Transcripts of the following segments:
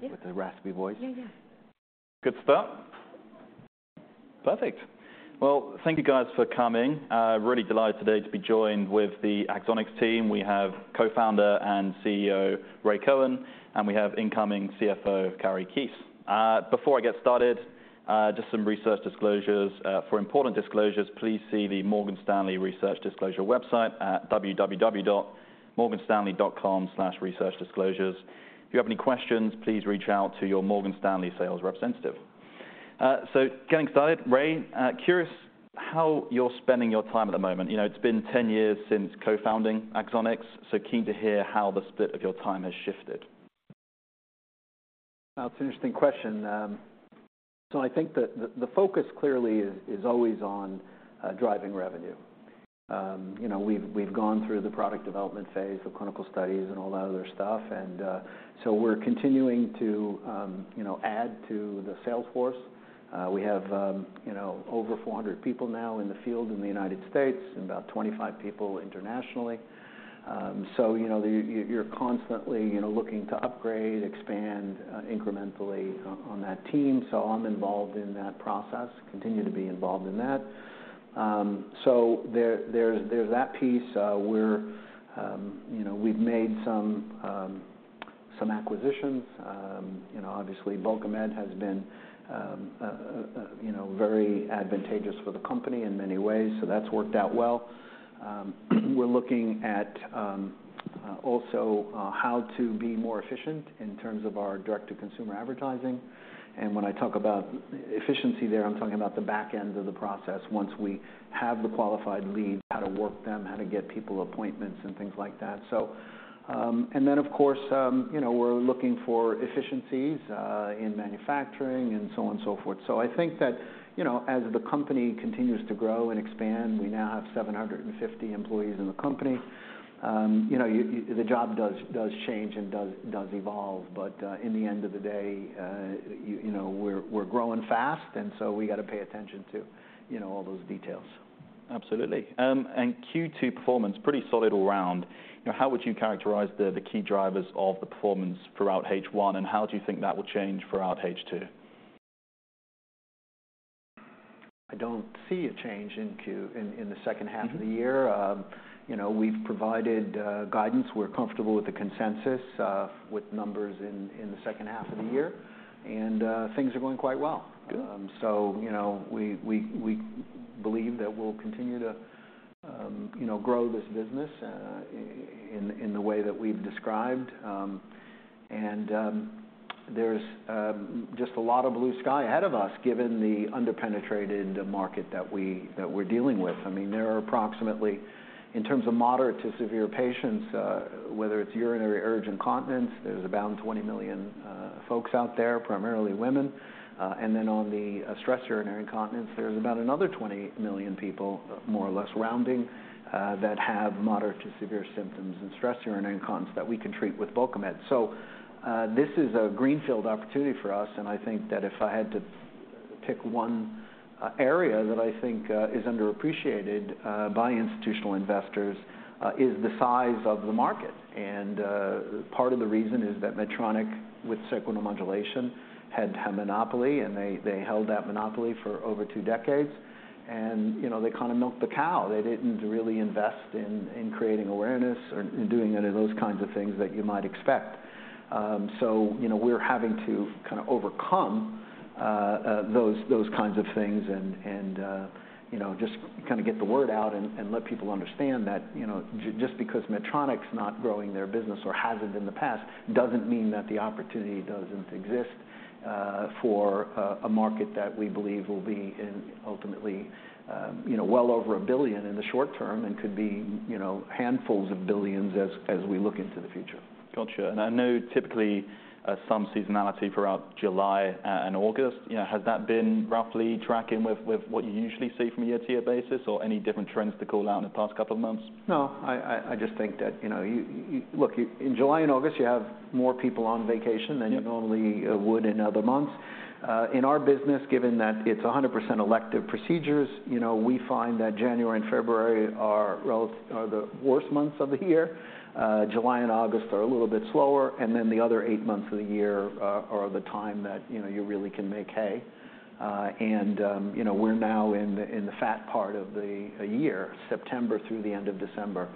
Good start. Perfect! Well, thank you guys for coming. Really delighted today to be joined with the Axonics team. We have Co-founder and CEO, Ray Cohen, and we have incoming CFO, Kari Keese. Before I get started, just some research disclosures. "For important disclosures, please see the Morgan Stanley Research Disclosure website at www.morganstanley.com/researchdisclosures. If you have any questions, please reach out to your Morgan Stanley sales representative." So getting started, Ray, curious how you're spending your time at the moment. You know, it's been 10 years since co-founding Axonics, so keen to hear how the split of your time has shifted. Well, it's an interesting question. So I think that the focus clearly is always on driving revenue. You know, we've gone through the product development phase, the clinical studies, and all that other stuff, and so we're continuing to add to the sales force. We have over 400 people now in the field in the United States and about 25 people internationally. So you know, you're constantly looking to upgrade, expand incrementally on that team, so I'm involved in that process, continue to be involved in that. So there's that piece where you know, we've made some acquisitions. You know, obviously, Bulkamid has been, you know, very advantageous for the company in many ways, so that's worked out well. We're looking at also how to be more efficient in terms of our direct-to-consumer advertising. And when I talk about efficiency there, I'm talking about the back end of the process. Once we have the qualified leads, how to work them, how to get people appointments, and things like that. So. And then, of course, you know, we're looking for efficiencies in manufacturing and so on and so forth. So I think that, you know, as the company continues to grow and expand, we now have 750 employees in the company. You know, the job does change and does evolve, but in the end of the day, you know, we're growing fast, and so we got to pay attention to, you know, all those details. Absolutely. Q2 performance, pretty solid all around. You know, how would you characterize the key drivers of the performance throughout H1, and how do you think that will change throughout H2? I don't see a change in Q in the second half- Mm-hmm... of the year. You know, we've provided guidance. We're comfortable with the consensus with numbers in the second half of the year, and things are going quite well. Good. So you know, we believe that we'll continue to, you know, grow this business, in the way that we've described. And there's just a lot of blue sky ahead of us, given the underpenetrated market that we're dealing with. I mean, there are approximately, in terms of moderate to severe patients, whether it's urinary urge incontinence, there's about 20 million folks out there, primarily women, and then on the stress urinary incontinence, there's about another 20 million people, more or less, rounding, that have moderate to severe symptoms and stress urinary incontinence that we can treat with Bulkamid. So, this is a greenfield opportunity for us, and I think that if I had to pick one area that I think is underappreciated by institutional investors, is the size of the market. And, part of the reason is that Medtronic, with sacral neuromodulation, had a monopoly, and they, they held that monopoly for over two decades. And, you know, they kind of milked the cow. They didn't really invest in, in creating awareness or doing any of those kinds of things that you might expect. So you know, we're having to kind of overcome those kinds of things and, you know, just kind of get the word out and let people understand that, you know, just because Medtronic's not growing their business or hasn't in the past, doesn't mean that the opportunity doesn't exist for a market that we believe will be ultimately well over $1 billion in the short term and could be, you know, handfuls of billions as we look into the future. Gotcha. I know typically some seasonality throughout July and August. You know, has that been roughly tracking with what you usually see from a year-to-year basis, or any different trends to call out in the past couple of months? No, I just think that, you know, you look, in July and August, you have more people on vacation- Yeah.... than you normally would in other months. In our business, given that it's 100% elective procedures, you know, we find that January and February are relatively the worst months of the year. July and August are a little bit slower, and then the other eight months of the year are the time that, you know, you really can make hay. You know, we're now in the fat part of the year. September through the end of December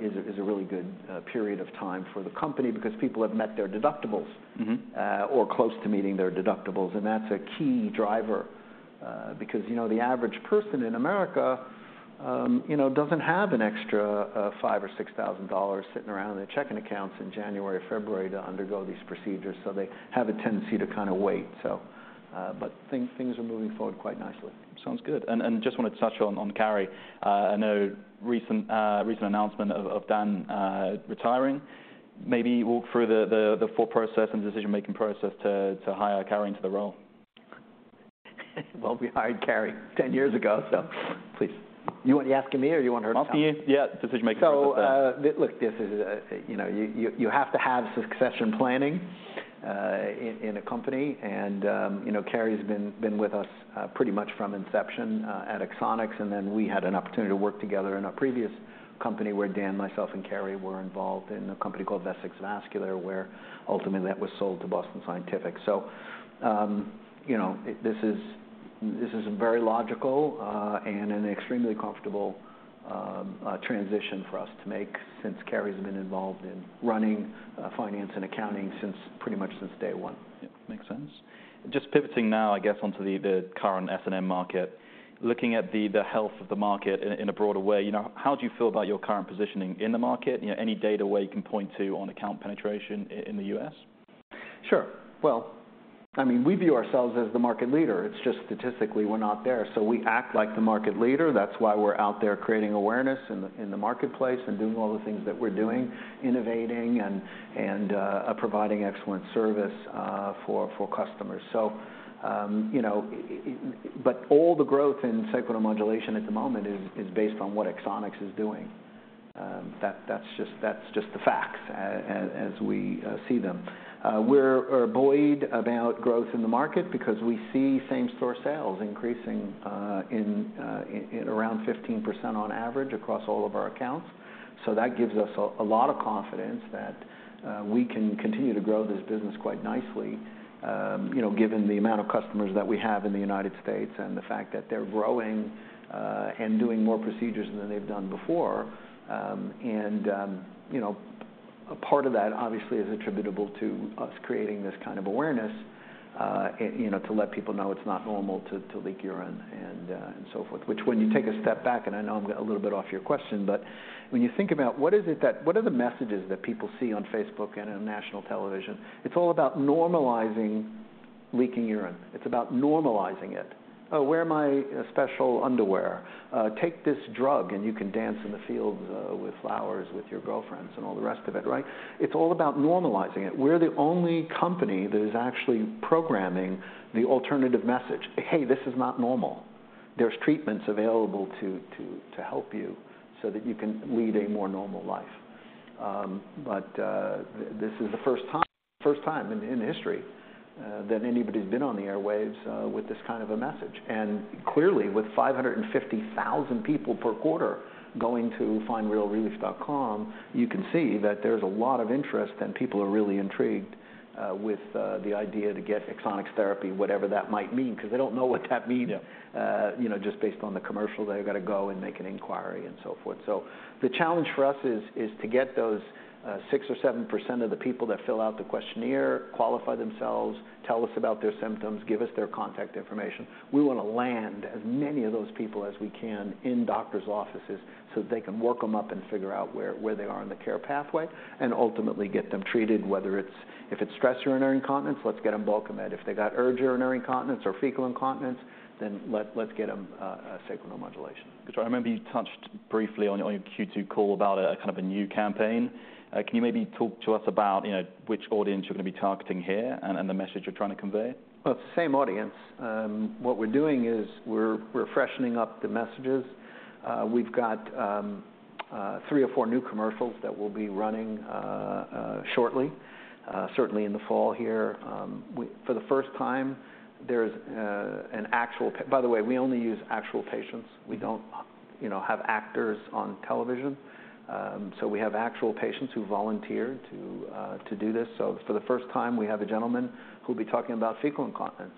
is a really good period of time for the company because people have met their deductibles- Mm-hmm... or close to meeting their deductibles, and that's a key driver. Because, you know, the average person in America, you know, doesn't have an extra $5,000-$6,000 sitting around in their checking accounts in January or February to undergo these procedures, so they have a tendency to kind of wait. So, but things are moving forward quite nicely. Sounds good. And just wanted to touch on Kari. I know recent announcement of Dan retiring. Maybe walk through the full process and decision-making process to hire Kari into the role. Well, we hired Kari 10 years ago, so please. You want, you asking me or you want her to answer? Ask you, yeah, decision-making- So, look, this is, you know, you have to have succession planning in a company. And, you know, Kari has been with us pretty much from inception at Axonics, and then we had an opportunity to work together in a previous company where Dan, myself, and Kari were involved in a company called Vessix Vascular, where ultimately that was sold to Boston Scientific. So, you know, this is a very logical and an extremely comfortable transition for us to make since Kari's been involved in running finance and accounting since pretty much since day one. Yep, makes sense. Just pivoting now, I guess, onto the current SNM market. Looking at the health of the market in a broader way, you know, how do you feel about your current positioning in the market? You know, any data where you can point to on account penetration in the US? Sure. Well, I mean, we view ourselves as the market leader. It's just statistically we're not there, so we act like the market leader. That's why we're out there creating awareness in the marketplace and doing all the things that we're doing, innovating and providing excellent service for customers. So, you know, but all the growth in sacral neuromodulation at the moment is based on what Axonics is doing. That, that's just the facts as we see them. We're buoyed about growth in the market because we see same-store sales increasing in around 15% on average across all of our accounts. So that gives us a lot of confidence that we can continue to grow this business quite nicely, you know, given the amount of customers that we have in the United States and the fact that they're growing, and doing more procedures than they've done before. You know, a part of that obviously is attributable to us creating this kind of awareness, you know, to let people know it's not normal to leak urine and so forth. Which when you take a step back, and I know I'm a little bit off your question, but when you think about what are the messages that people see on Facebook and on national television, it's all about normalizing leaking urine. It's about normalizing it. Oh, wear my special underwear," "take this drug, and you can dance in the field with flowers, with your girlfriends," and all the rest of it, right? It's all about normalizing it. We're the only company that is actually programming the alternative message: "Hey, this is not normal. There's treatments available to help you so that you can lead a more normal life." But this is the first time in history that anybody's been on the airwaves with this kind of a message. And clearly, with 550,000 people per quarter going to FindRealRelief.com, you can see that there's a lot of interest, and people are really intrigued with the idea to get Axonics therapy, whatever that might mean, because they don't know what that means. Yeah. You know, just based on the commercial, they've got to go and make an inquiry and so forth. So the challenge for us is to get those 6 or 7% of the people that fill out the questionnaire, qualify themselves, tell us about their symptoms, give us their contact information. We want to land as many of those people as we can in doctor's offices, so they can work them up and figure out where they are in the care pathway and ultimately get them treated, whether it's, if it's stress urinary incontinence, let's get them Bulkamid. If they got urge urinary incontinence or fecal incontinence, then let's get them sacral neuromodulation. Because I remember you touched briefly on your Q2 call about a kind of a new campaign. Can you maybe talk to us about, you know, which audience you're going to be targeting here and the message you're trying to convey? Well, it's the same audience. What we're doing is we're freshening up the messages. We've got three or four new commercials that will be running shortly, certainly in the fall here. For the first time, there's an actual... By the way, we only use actual patients. We don't, you know, have actors on television. So we have actual patients who volunteered to do this. So for the first time, we have a gentleman who'll be talking about fecal incontinence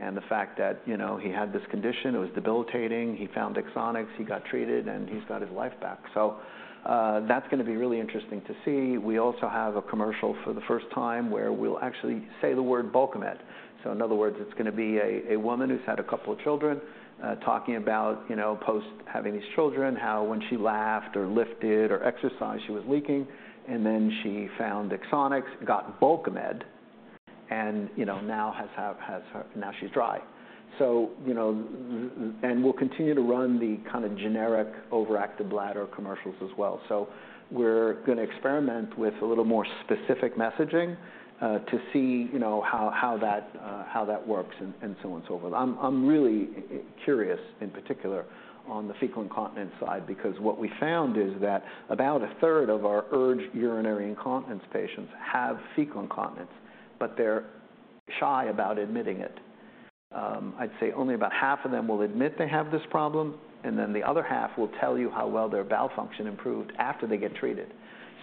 and the fact that, you know, he had this condition, it was debilitating, he found Axonics, he got treated, and he's got his life back. So that's going to be really interesting to see. We also have a commercial for the first time where we'll actually say the word Bulkamid. So in other words, it's going to be a woman who's had a couple of children, talking about, you know, post having these children, how when she laughed or lifted or exercised, she was leaking. And then she found Axonics, got Bulkamid, and, you know, now she's dry. So, you know, and we'll continue to run the kind of generic overactive bladder commercials as well. So we're going to experiment with a little more specific messaging, to see, you know, how that works and so on and so forth. I'm really curious, in particular, on the fecal incontinence side, because what we found is that about a third of our urge urinary incontinence patients have fecal incontinence, but they're shy about admitting it. I'd say only about half of them will admit they have this problem, and then the other half will tell you how well their bowel function improved after they get treated.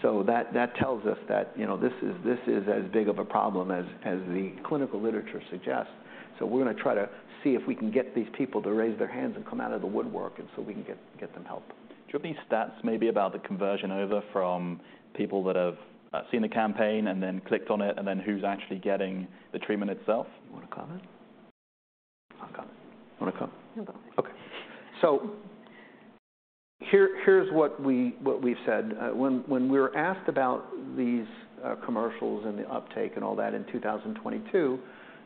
So that tells us that, you know, this is as big of a problem as the clinical literature suggests. So we're going to try to see if we can get these people to raise their hands and come out of the woodwork, and so we can get them help. Do you have any stats maybe about the conversion over from people that have seen the campaign and then clicked on it, and then who's actually getting the treatment itself? You want to comment? I'll comment. You want to comment? You go. Okay. So here, here's what we've said. When we were asked about these commercials and the uptake and all that in 2022,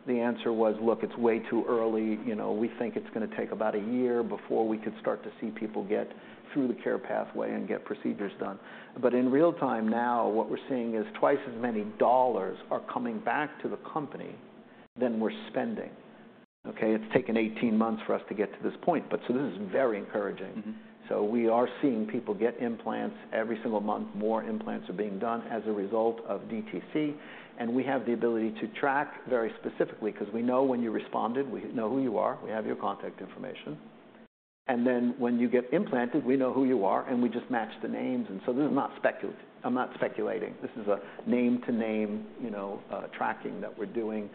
the answer was, "Look, it's way too early. You know, we think it's going to take about a year before we could start to see people get through the care pathway and get procedures done." But in real time now, what we're seeing is twice as many dollars are coming back to the company than we're spending. Okay, it's taken 18 months for us to get to this point, but so this is very encouraging. Mm-hmm. So we are seeing people get implants. Every single month, more implants are being done as a result of DTC, and we have the ability to track very specifically because we know when you responded, we know who you are, we have your contact information. And then when you get implanted, we know who you are, and we just match the names. And so this is not speculation. I'm not speculating. This is a name-to-name, you know, tracking that we're doing,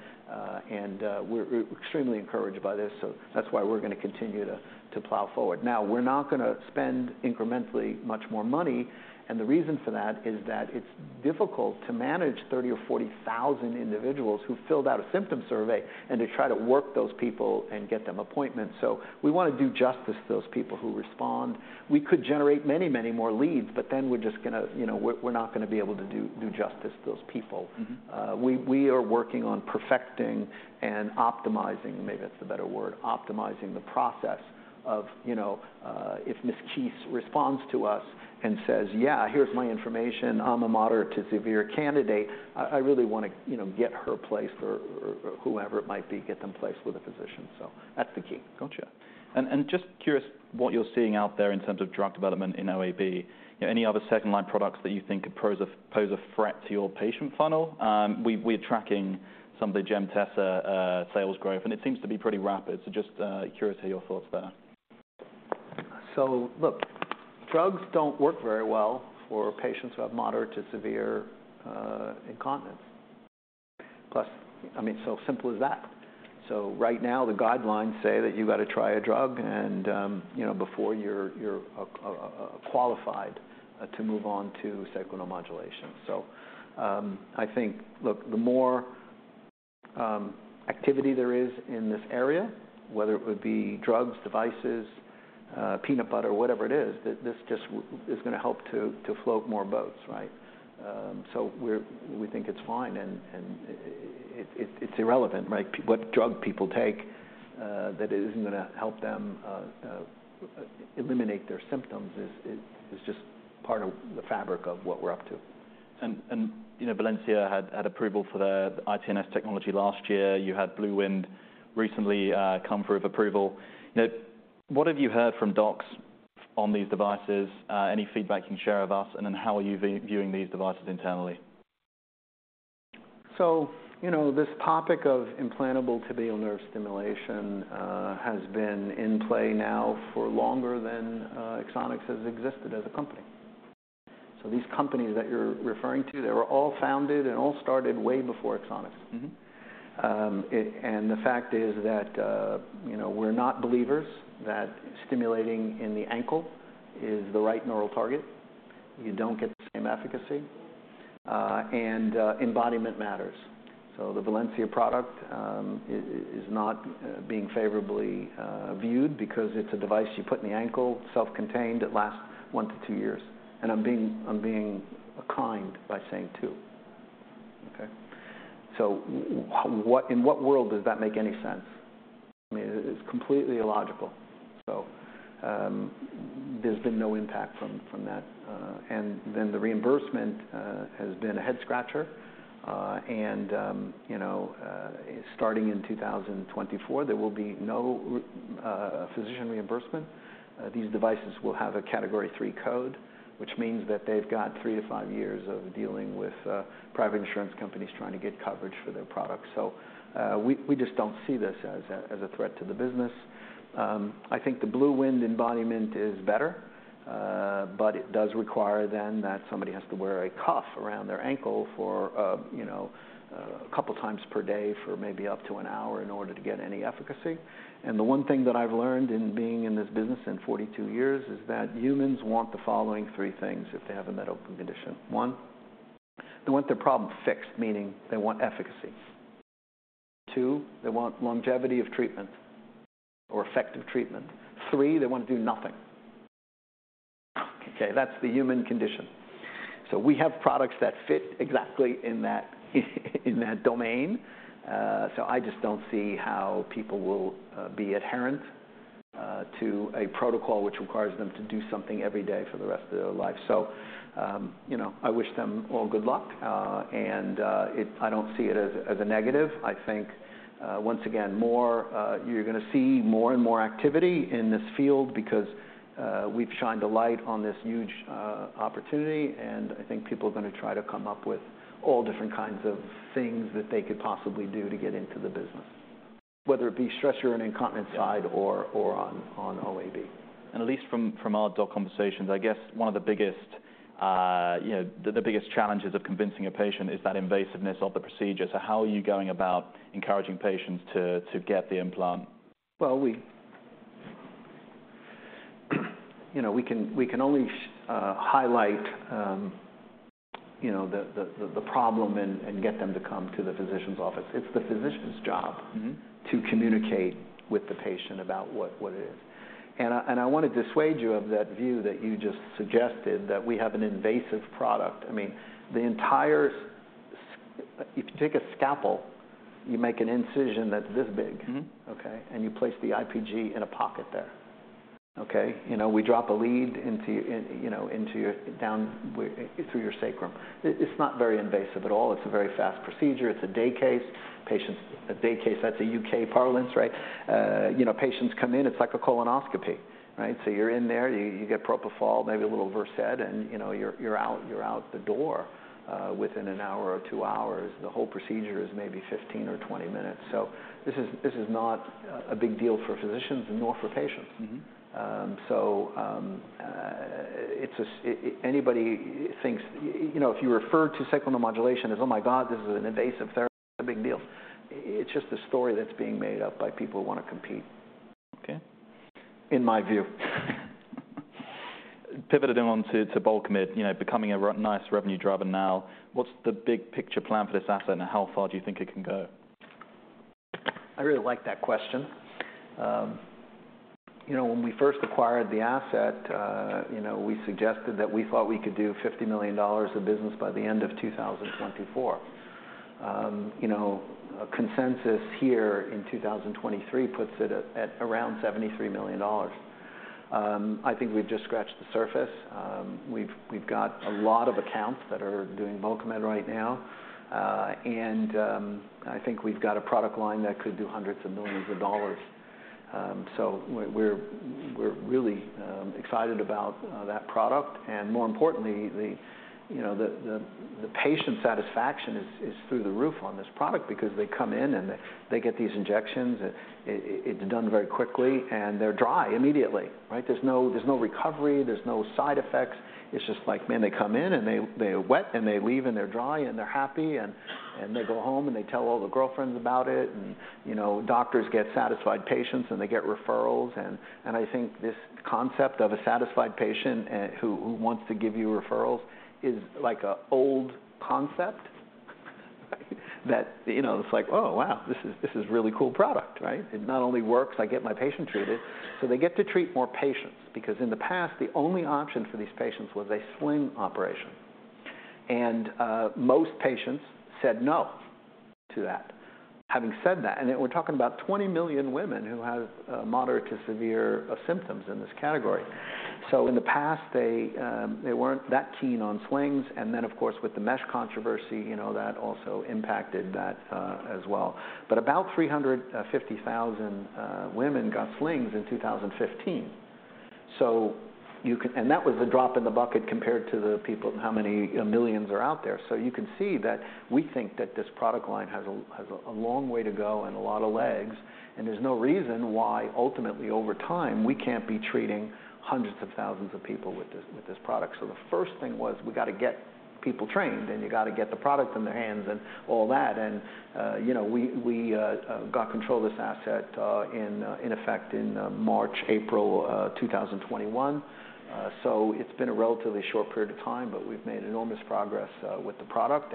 and we're extremely encouraged by this, so that's why we're gonna continue to plow forward. Now, we're not gonna spend incrementally much more money, and the reason for that is that it's difficult to manage 30,000 or 40,000 individuals who filled out a symptom survey and to try to work those people and get them appointments. So we want to do justice to those people who respond. We could generate many, many more leads, but then we're just gonna, you know, we're not gonna be able to do justice to those people. Mm-hmm. We are working on perfecting and optimizing, maybe that's the better word, optimizing the process of, you know, if Miss Keese responds to us and says, "Yeah, here's my information, I'm a moderate-to-severe candidate," I really wanna, you know, get her placed or whoever it might be, get them placed with a physician. So that's the key. Gotcha. Just curious what you're seeing out there in terms of drug development in OAB. You know, any other second-line products that you think could pose a threat to your patient funnel? We're tracking some of the Gemtesa sales growth, and it seems to be pretty rapid. So just curious to your thoughts there. So look, drugs don't work very well for patients who have moderate to severe incontinence. Plus, I mean, so simple as that. So right now, the guidelines say that you've got to try a drug and, you know, before you're qualified to move on to sacral neuromodulation. So, I think, look, the more activity there is in this area, whether it would be drugs, devices, peanut butter, whatever it is, this just is gonna help to float more boats, right? So we're, we think it's fine, and it, it's irrelevant, right, what drug people take that isn't gonna help them eliminate their symptoms. It's just part of the fabric of what we're up to. You know, Valencia had approval for the ITNS technology last year. You had BlueWind recently come through with approval. Now, what have you heard from docs on these devices? Any feedback you can share with us, and then how are you viewing these devices internally? So, you know, this topic of implantable tibial nerve stimulation has been in play now for longer than Axonics has existed as a company. So these companies that you're referring to, they were all founded and all started way before Axonics. Mm-hmm. And the fact is that, you know, we're not believers that stimulating in the ankle is the right neural target. You don't get the same efficacy, and embodiment matters. So the Valencia product is not being favorably viewed because it's a device you put in the ankle, self-contained. It lasts 1-2 years, and I'm being kind by saying 2. Okay? So what—in what world does that make any sense? I mean, it's completely illogical. So there's been no impact from that, and then the reimbursement has been a head scratcher. And, you know, starting in 2024, there will be no physician reimbursement. These devices will have a Category III code, which means that they've got 3-5 years of dealing with private insurance companies trying to get coverage for their products. So, we just don't see this as a threat to the business. I think the BlueWind embodiment is better, but it does require then that somebody has to wear a cuff around their ankle for, you know, a couple of times per day for maybe up to an hour in order to get any efficacy. And the one thing that I've learned in being in this business in 42 years is that humans want the following three things if they have a medical condition. One, they want their problem fixed, meaning they want efficacy. Two, they want longevity of treatment or effective treatment. Three, they want to do nothing. Okay, that's the human condition. So we have products that fit exactly in that, in that domain. So I just don't see how people will be adherent to a protocol which requires them to do something every day for the rest of their life. So, you know, I wish them all good luck, and I don't see it as a negative. I think, once again, more, you're gonna see more and more activity in this field because we've shined a light on this huge opportunity, and I think people are gonna try to come up with all different kinds of things that they could possibly do to get into the business, whether it be stress or in incontinence- Yeah... side or on OAB. At least from our doc conversations, I guess one of the biggest, you know, the biggest challenges of convincing a patient is that invasiveness of the procedure. So how are you going about encouraging patients to get the implant? Well, you know, we can only highlight, you know, the problem and get them to come to the physician's office. It's the physician's job- Mm-hmm... to communicate with the patient about what it is. And I want to dissuade you of that view that you just suggested that we have an invasive product. I mean, the entire, if you take a scalpel, you make an incision that's this big. Mm-hmm. Okay? You place the IPG in a pocket there. Okay, you know, we drop a lead down through your sacrum. It's not very invasive at all. It's a very fast procedure. It's a day case. Patients, a day case, that's U.K. parlance, right? You know, patients come in, it's like a colonoscopy, right? So you're in there, you get propofol, maybe a little Versed, and, you know, you're out the door within an hour or 2 hours. The whole procedure is maybe 15 or 20 minutes. So this is not a big deal for physicians and nor for patients. Mm-hmm. Anybody thinks, you know, if you refer to sacral neuromodulation as, "Oh my God, this is an invasive therapy, a big deal," it's just a story that's being made up by people who want to compete. Okay. In my view. Pivoting on to Bulkamid, you know, becoming a really nice revenue driver now, what's the big picture plan for this asset, and how far do you think it can go? I really like that question. You know, when we first acquired the asset, you know, we suggested that we thought we could do $50 million of business by the end of 2024. You know, a consensus here in 2023 puts it at around $73 million. I think we've just scratched the surface. We've got a lot of accounts that are doing Bulkamid right now. And I think we've got a product line that could do hundreds of millions of dollars. So we're really excited about that product. And more importantly, you know, the patient satisfaction is through the roof on this product because they come in, and they get these injections, and it's done very quickly, and they're dry immediately, right? There's no, there's no recovery, there's no side effects. It's just like, man, they come in, and they, they're wet, and they leave, and they're dry, and they're happy. And, and they go home, and they tell all their girlfriends about it. And, you know, doctors get satisfied patients, and they get referrals. And, and I think this concept of a satisfied patient, who, who wants to give you referrals is like a old concept, that, you know, it's like, "Oh, wow, this is, this is a really cool product," right? "It not only works, I get my patient treated." So they get to treat more patients because in the past, the only option for these patients was a sling operation. And, most patients said no to that. Having said that... We're talking about 20 million women who have moderate to severe symptoms in this category. In the past, they weren't that keen on slings. And then, of course, with the mesh controversy, you know, that also impacted that as well. But about 350,000 women got slings in 2015. And that was the drop in the bucket compared to the people, how many, you know, millions are out there. So you can see that we think that this product line has a long way to go and a lot of legs, and there's no reason why ultimately, over time, we can't be treating hundreds of thousands of people with this product. So the first thing was we got to get people trained, and you got to get the product in their hands and all that. You know, we got control of this asset in effect in March, April 2021. So it's been a relatively short period of time, but we've made enormous progress with the product.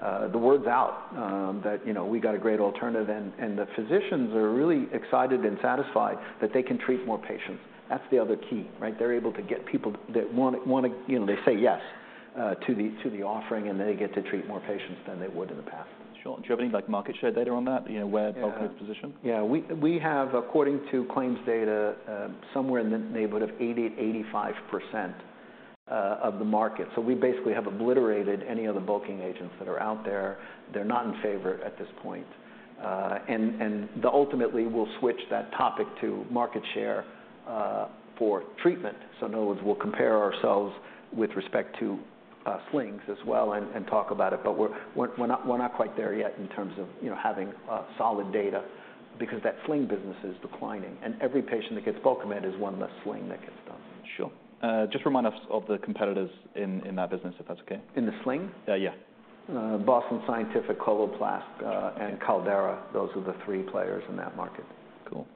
The word's out that you know we got a great alternative, and the physicians are really excited and satisfied that they can treat more patients. That's the other key, right? They're able to get people that wanna. You know, they say yes to the offering, and they get to treat more patients than they would in the past. Sure. Do you have any, like, market share data on that? You know, where- Yeah.... Bulkamid's positioned? Yeah, we have, according to claims data, somewhere in the neighborhood of 80%-85% of the market. So we basically have obliterated any other bulking agents that are out there. They're not in favor at this point. Ultimately, we'll switch that topic to market share for treatment. So in other words, we'll compare ourselves with respect to slings as well and talk about it, but we're not quite there yet in terms of, you know, having solid data because that sling business is declining, and every patient that gets Bulkamid is one less sling that gets done. Sure. Just remind us of the competitors in, in that business, if that's okay. In the sling? Uh, yeah. Boston Scientific, Coloplast, and Caldera. Those are the three players in that market. Cool.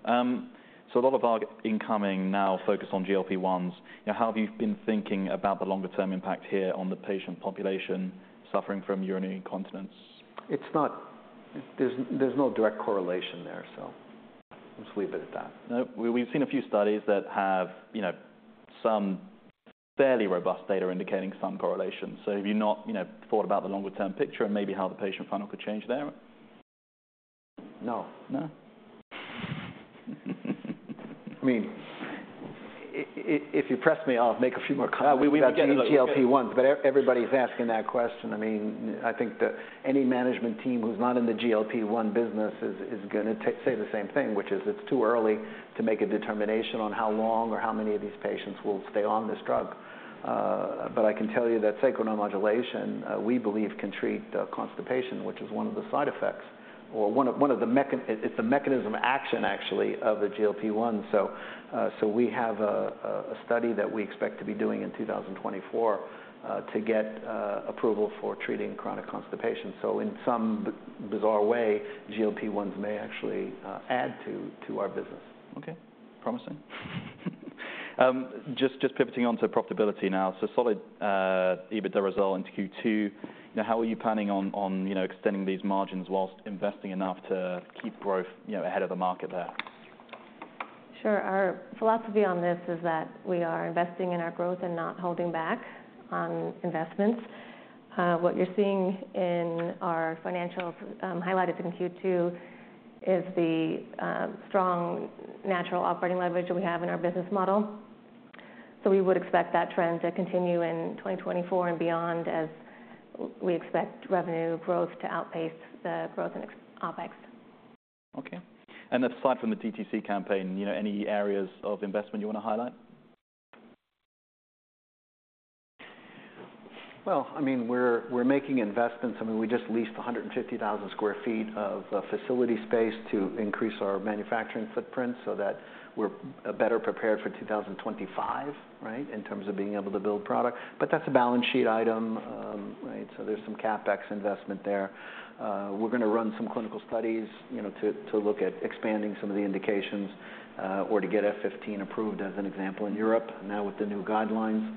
So a lot of our incoming now focus on GLP-1s. Now, how have you been thinking about the longer-term impact here on the patient population suffering from urinary incontinence? It's not. There's no direct correlation there, so let's leave it at that. No. We've seen a few studies that have, you know, some fairly robust data indicating some correlation. So have you not, you know, thought about the longer-term picture and maybe how the patient funnel could change there? No. No? I mean, if you press me, I'll make a few more comments- We will get-... about the GLP-1, but everybody's asking that question. I mean, I think that any management team who's not in the GLP-1 business is gonna say the same thing, which is it's too early to make a determination on how long or how many of these patients will stay on this drug. But I can tell you that Sacral Neuromodulation, we believe, can treat constipation, which is one of the side effects or it's the mechanism of action, actually, of a GLP-1. So we have a study that we expect to be doing in 2024 to get approval for treating chronic constipation. So in some bizarre way, GLP-1s may actually add to our business. Okay, promising. Just pivoting on to profitability now. So solid EBITDA result in Q2. Now, how are you planning on extending these margins whilst investing enough to keep growth, you know, ahead of the market there? Sure. Our philosophy on this is that we are investing in our growth and not holding back on investments. What you're seeing in our financials, highlighted in Q2, is the strong natural operating leverage that we have in our business model. So we would expect that trend to continue in 2024 and beyond, as we expect revenue growth to outpace the growth in OpEx. Okay. Aside from the DTC campaign, you know, any areas of investment you want to highlight? Well, I mean, we're making investments. I mean, we just leased 150,000 sq ft of facility space to increase our manufacturing footprint so that we're better prepared for 2025, right? In terms of being able to build product. But that's a balance sheet item, right, so there's some CapEx investment there. We're gonna run some clinical studies, you know, to look at expanding some of the indications, or to get F15 approved, as an example, in Europe, now with the new guidelines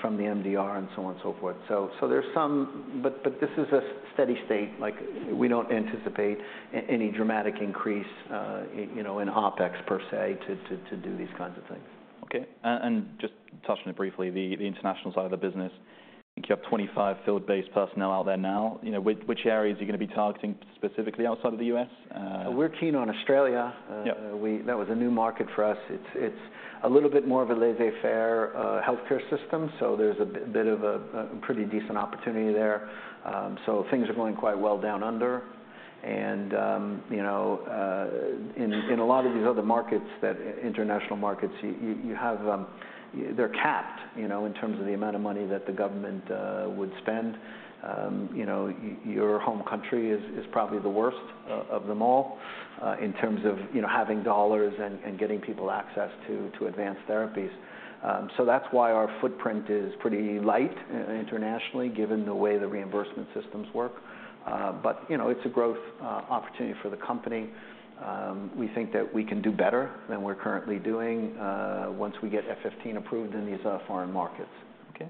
from the MDR and so on and so forth. So there's some... But this is a steady state. Like, we don't anticipate any dramatic increase, you know, in OpEx per se to do these kinds of things. Okay. And just touching it briefly, the international side of the business, I think you have 25 field-based personnel out there now. You know, which areas are you gonna be targeting specifically outside of the U.S.? We're keen on Australia. Yep. That was a new market for us. It's a little bit more of a laissez-faire healthcare system, so there's a bit of a pretty decent opportunity there. So things are going quite well down under. You know, in a lot of these other markets, those international markets, you have, they're capped, you know, in terms of the amount of money that the government would spend. You know, your home country is probably the worst of them all, in terms of, you know, having dollars and getting people access to advanced therapies. So that's why our footprint is pretty light internationally, given the way the reimbursement systems work. But, you know, it's a growth opportunity for the company. We think that we can do better than we're currently doing, once we get F15 approved in these foreign markets. Okay.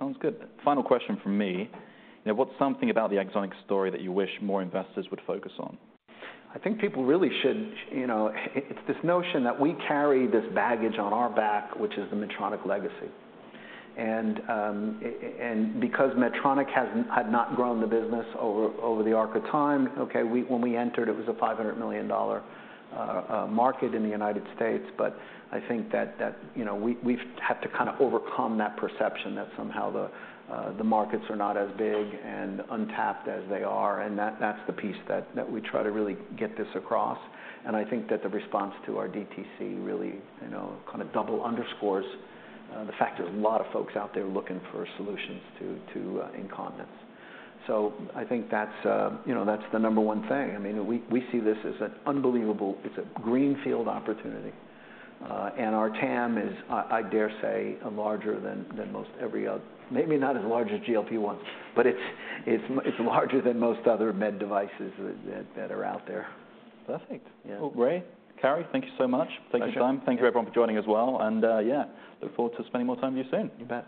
Sounds good. Final question from me. Now, what's something about the Axonics story that you wish more investors would focus on? I think people really should, you know, it’s this notion that we carry this baggage on our back, which is the Medtronic legacy. And because Medtronic had not grown the business over the arc of time, okay, when we entered, it was a $500 million market in the United States. But I think that you know, we’ve had to kind of overcome that perception, that somehow the markets are not as big and untapped as they are, and that’s the piece that we try to really get across. And I think that the response to our DTC really, you know, kind of double underscores the fact there’s a lot of folks out there looking for solutions to incontinence. So I think that’s the number one thing. I mean, we see this as an unbelievable. It's a greenfield opportunity. And our TAM is, I dare say, larger than most every other... Maybe not as large as GLP-1, but it's larger than most other med devices that are out there. Perfect. Yeah. Well, Ray, Carrie, thank you so much. Pleasure. Thank you for your time. Thank you, everyone, for joining as well. Yeah, look forward to spending more time with you soon. You bet.